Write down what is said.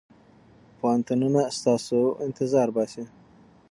پوهنتونونه ستاسو انتظار باسي.